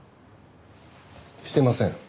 してません。